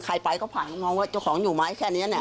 ใครไปก็ผ่านมองว่าเจ้าของอยู่ไหมแค่นี้เนี่ย